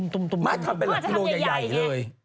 มันก็จะทำให้เป็นหลักกิโลใหญ่เลยเขาอาจจะทำใหญ่